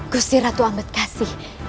gusti ratu amat kasih